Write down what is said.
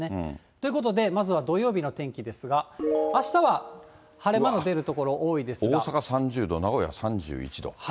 ということで、まずは土曜日の天気ですが、あしたは、晴れ間が出大阪３０度、名古屋３１度。